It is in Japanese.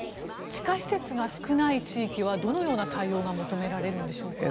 地下施設が少ない地域はどのような対応が求められるんでしょうか。